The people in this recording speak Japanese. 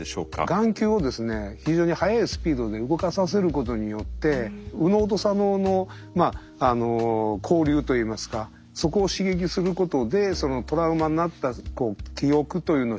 眼球を非常に速いスピードで動かさせることによって右脳と左脳の交流といいますかそこを刺激することでトラウマになった記憶というのを処理していくと。